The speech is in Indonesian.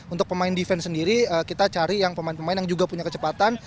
untuk pemain defense sendiri kita cari yang pemain pemain yang juga punya kecepatan